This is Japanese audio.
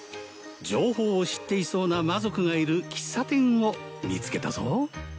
情報を知っていそうな魔族がいる喫茶店を見つけたぞ